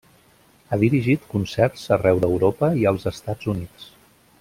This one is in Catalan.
Ha dirigit concerts arreu d'Europa i als Estats Units.